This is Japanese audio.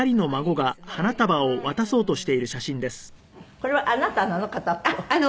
これはあなたなの？